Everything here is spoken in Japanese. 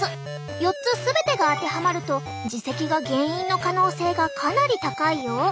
４つ全てが当てはまると耳石が原因の可能性がかなり高いよ。